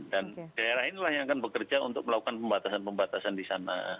dan daerah inilah yang akan bekerja untuk melakukan pembatasan pembatasan di sana